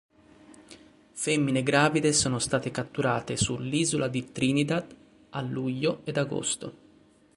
Femmine gravide sono state catturate sull'isola di Trinidad a luglio ed agosto.